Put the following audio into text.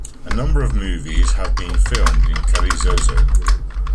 A number of movies have been filmed in Carrizozo.